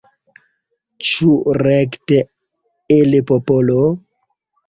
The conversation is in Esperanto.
Ĉu rekte el popolo?